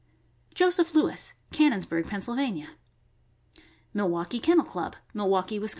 Joseph Lewis, Cannonsburgh, Penn. ; Milwaukee Kennel Club, Mil waukee, Wis.